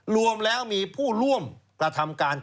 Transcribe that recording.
รวมแล้วมีผู้ร่วมกระทำการ